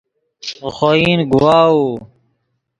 ڤے خوئن گواؤو